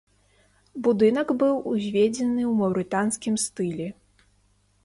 Будынак быў узведзены ў маўрытанскім стылі.